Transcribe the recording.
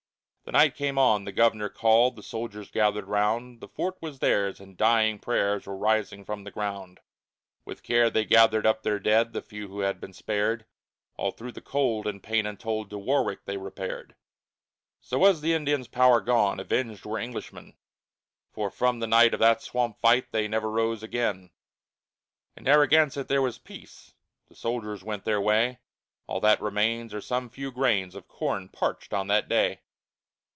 The night came on, the governor called, The soldiers gathered round; The fort was theirs, and dying prayers Were rising from the ground. With care they gathered up their dead, The few who had been spared, All through the cold, in pain untold, To Warwick they repaired. So was the Indians' power gone, Avenged were Englishmen, For from the night of that Swamp fight They never rose again. In Narragansett there was peace, The soldiers went their way, All that remains are some few grains Of corn parched on that day.